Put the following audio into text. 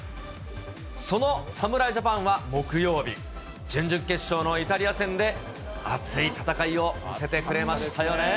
その侍ジャパンは木曜日、準々決勝のイタリア戦で、熱い戦いを見せてくれましたよね。